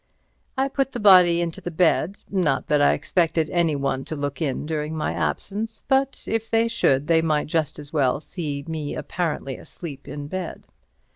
I put the body into the bed—not that I expected anyone to look in during my absence, but if they should they might just as well see me apparently asleep in bed.